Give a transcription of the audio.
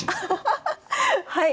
はい。